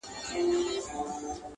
هیڅوک نه وايي چي عقل مرور دی!